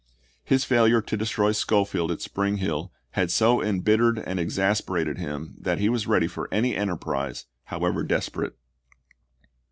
His failure to destroy Schofield at Spring Hill had so embittered and exasperated him that he was ready for any enterprise, however desperate.